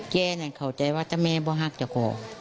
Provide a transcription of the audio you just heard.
เขาผมเข้าใจว่าต่อแม่ฮักก็ไม่ฮัก